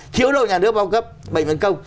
thiếu đâu nhà nước bao cấp bệnh viện công